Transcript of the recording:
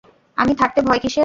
আমি থাকতে ভয় কীসের!